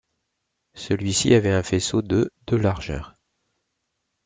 Celui-ci avait un faisceaux de de largeur.